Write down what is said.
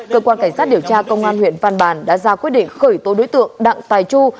cơ quan cảnh sát điều tra công an huyện văn bàn đã ra quyết định khởi tố đối tượng đặng tài chu